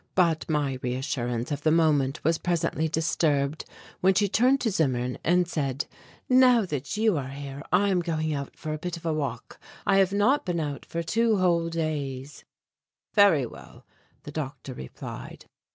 But my reassurance of the moment was presently disturbed when she turned to Zimmern and said: "Now that you are here, I am going for a bit of a walk; I have not been out for two whole days." "Very well," the doctor replied.